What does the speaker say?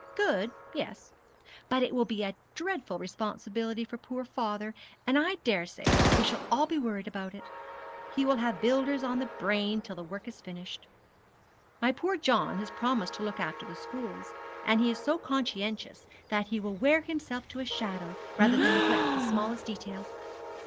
'Good, yes; but it will be a dreadful responsibility for poor father, and I daresay we shall all be worried about it. He will have builders on the brain till the work is finished. My poor John has promised to look after the schools; and he is so conscientious that he will wear himself to a shadow rather than neglect the smallest detail.'